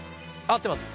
合ってます。